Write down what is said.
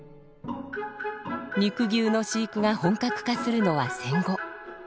肉牛の飼育が本格化するのは戦後。